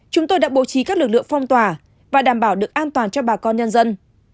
chúng tôi đã bố trí các lực lượng phong tỏa và đảm bảo được an toàn cho bà con nhân dân